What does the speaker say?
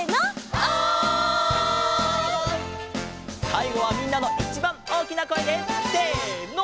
さいごはみんなのいちばんおおきなこえでせの！